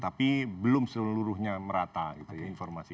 tapi belum seluruhnya merata gitu ya informasi